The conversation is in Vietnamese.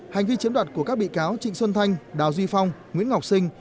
hành vi chiếm đoạt của các bị cáo trịnh xuân thanh đào duy phong nguyễn ngọc sinh